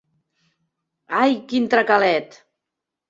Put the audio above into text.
Ai, quin tracalet!